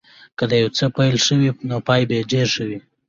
که د یو څه پيل ښه وي نو پای به یې ډېر ښه وي.